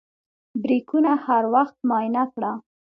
بریکونه هر وخت معاینه کړه.